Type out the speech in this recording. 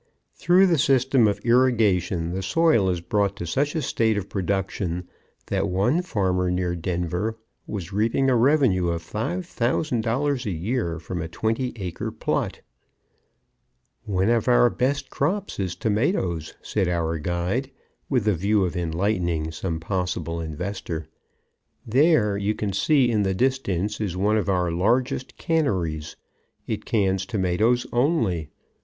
Through the system of irrigation the soil is brought to such a state of production that one farmer near Denver was reaping a revenue of $5,000 a year from a twenty acre plot. "One of our best crops is tomatoes," said our guide, with the view of enlightening some possible investor. "There, you can see in the distance, is one of our largest canneries. It cans tomatoes only.